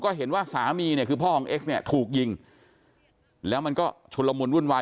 ก็เห็นว่าสามีเนี่ยคือพ่อของเอ็กซเนี่ยถูกยิงแล้วมันก็ชุนละมุนวุ่นวาย